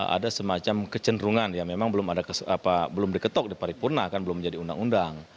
ada semacam kecenderungan ya memang belum diketok di paripurna kan belum menjadi undang undang